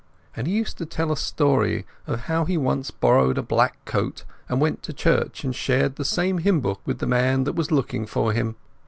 And he used to tell a story of how he once borrowed a black coat and went to church and shared the same hymn book with the man that was looking for him.